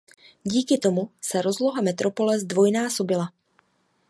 Díky tomu se rozloha metropole zdvojnásobila.